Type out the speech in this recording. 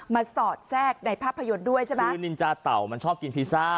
สอดแทรกในภาพยนตร์ด้วยใช่ไหมคือนินจาเต่ามันชอบกินพิซซ่า